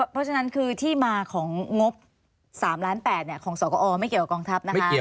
เพราะฉะนั้นคือที่มาของงบ๓ล้าน๘ของสกอไม่เกี่ยวกับกองทัพนะคะ